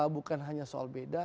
bukan hanya soal beda